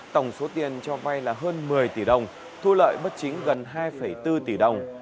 tổng số tiền cho vay là hơn một mươi tỷ đồng thu lợi bất chính gần hai bốn tỷ đồng